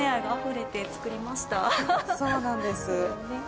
そうなんです